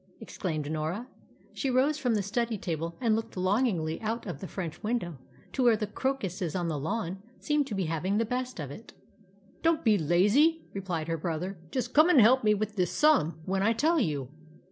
exclaimed Norah. She rose from the study table and looked longingly out of the French window to where the crocuses on the lawn seemed to be having the best of it. "Don't be lazy," replied her brother. "Just come and help me with this sum when I tell you."